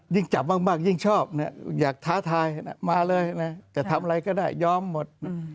จับมากยิ่งชอบอยากท้าทายมาเลยนะจะทำอะไรก็ได้ยอมหมด